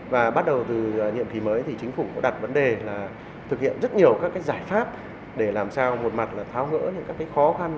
và bắt đầu từ nhiệm kỳ mới thì chính phủ đặt vấn đề là thực hiện rất nhiều các giải pháp để làm sao một mặt là tháo gỡ những các khó khăn